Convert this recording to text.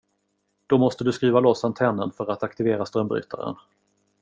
Då måste du skruva loss antennen för att aktivera strömbrytaren.